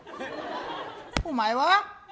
お前は？